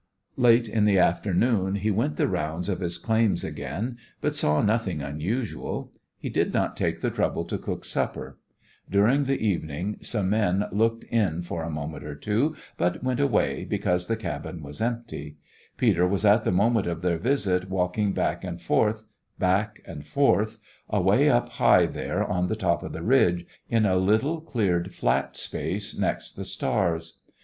Late in the afternoon he went the rounds of his claims again, but saw nothing unusual. He did not take the trouble to cook supper. During the evening some men looked in for a moment or so, but went away, because the cabin was empty. Peter was at the moment of their visit walking back and forth, back and forth, away up high there on the top of the ridge, in a little cleared flat space next the stars.